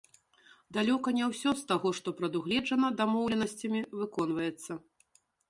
Далёка не ўсё з таго, што прадугледжана дамоўленасцямі, выконваецца.